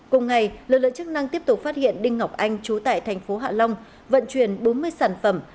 cùng ngày lực lượng chức năng tiếp tục phát hiện đinh ngọc anh trú tại thành phố hạ long vận chuyển bốn mươi sản phẩm